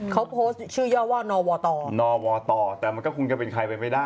เขาโพสต์ชื่อย่อว่านวตนวตแต่มันก็คงจะเป็นใครไปไม่ได้